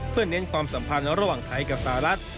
เพื่อเน้นความสัมพันธ์ระหว่างไทยกับสหรัฐ